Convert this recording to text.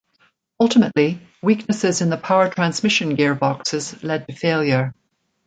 Ultimately, weaknesses in the power transmission gear boxes led to failure.